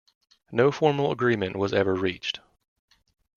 No formal agreement was ever reached.